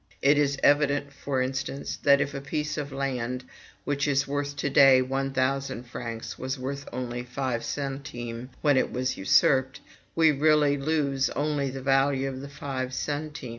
"It is evident, for instance, that if a piece of land which is worth to day one thousand francs was worth only five centimes when it was usurped, we really lose only the value of five centimes.